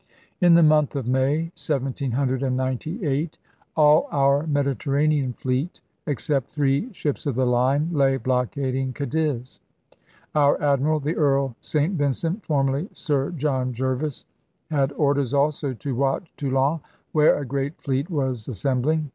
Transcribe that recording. In the month of May 1798, all our Mediterranean fleet, except three ships of the line, lay blockading Cadiz. Our Admiral, the Earl St Vincent, formerly Sir John Jervis, had orders also to watch Toulon, where a great fleet was assembling.